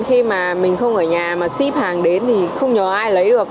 khi mà mình không ở nhà mà shipper hàng đến thì không nhờ ai lấy được